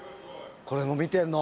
これも見てんの！？